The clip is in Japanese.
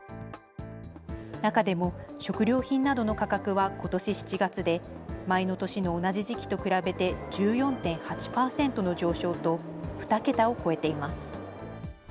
中でも食料品などの価格はことし７月で前の年の同じ時期と比べて１４．８％の上昇と、２桁を超えています。